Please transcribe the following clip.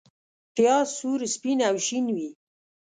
پیاز سور، سپین او شین وي